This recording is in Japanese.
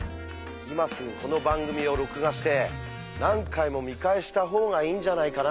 今すぐこの番組を録画して何回も見返した方がいいんじゃないかな。